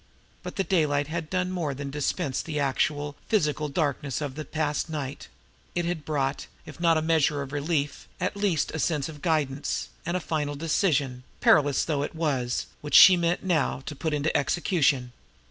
But the daylight had done more than disperse the actual, physical darkness of the past night; it had brought, if not a measure of relief, at least a sense of guidance, and the final decision, perilous though it was, which she meant now to put into execution.